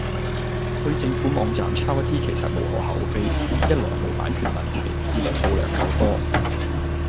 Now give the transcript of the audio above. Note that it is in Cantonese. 去政府網站抄一啲其實無可厚非，一來冇版權問題，二來數量夠多